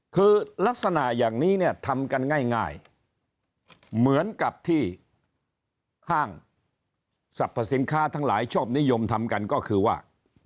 คือลักษณะอย่างนี้เนี่ยทำกันง่ายเหมือนกับที่ห้างสรรพสินค้าทั้งหลายชอบนิยมทำกันก็คือว่า